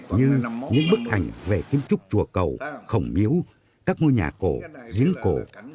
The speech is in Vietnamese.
như những bức ảnh về kiến trúc chùa cầu khổng miếu các ngôi nhà cổ diễn cổ